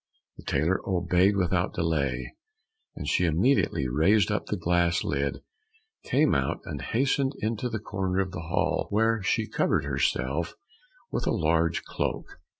The tailor obeyed without delay, and she immediately raised up the glass lid, came out and hastened into the corner of the hall, where she covered herself with a large cloak.